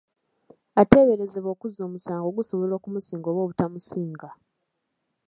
Ateeberezebwa okuzza omusango gusobola okumusinga oba obutamusinga.